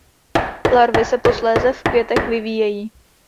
Larvy se posléze v květech vyvíjejí.